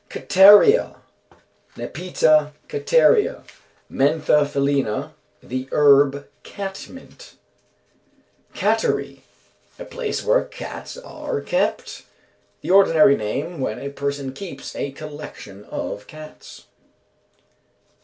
Cattaria. Nepeta Cattaria. Mentha felina, the herb cat mint. Cattery. A place where cats are kept, the ordinary name when a person keeps a collection of cats.